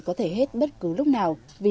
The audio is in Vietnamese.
có thể hết bất cứ lúc nào vì